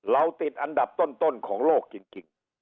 ติดอันดับต้นของโลกจริง